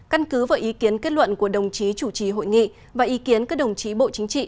căn cứ vào ý kiến kết luận của đồng chí chủ trì hội nghị và ý kiến các đồng chí bộ chính trị